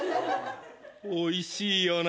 おいしいよな。